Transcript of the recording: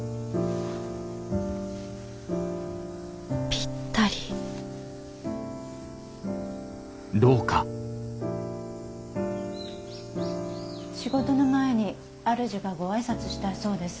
ぴったり仕事の前に主がご挨拶したいそうです。